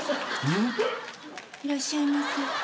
いらっしゃいませ。